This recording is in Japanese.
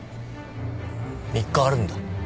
３日あるんだ。